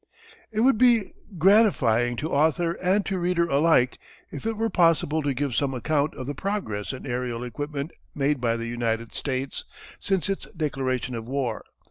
It would be gratifying to author and to reader alike if it were possible to give some account of the progress in aërial equipment made by the United States, since its declaration of war.